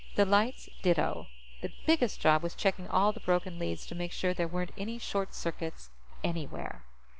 The lights ditto. The biggest job was checking all the broken leads to make sure there weren't any short circuits anywhere.